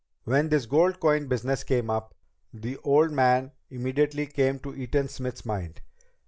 When this gold coin business came up, the old man immediately came to Eaton Smith's mind.